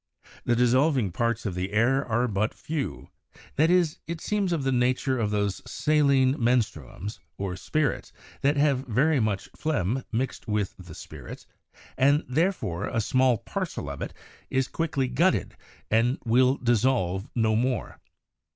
... The dissolving parts of the air are but few, that is, it seems of the nature of those saline menstruums, or spirits, that have very much flegme mixt with the spir its, and therefore a small parcel of it is quickly glutted,' and will dissolve no more